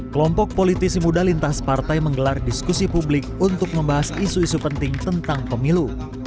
kelompok politisi muda lintas partai menggelar diskusi publik untuk membahas isu isu penting tentang pemilu